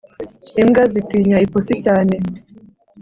Imbwa zitinya ipusi cyane